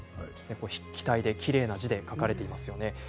筆記体できれいな字で書かれています。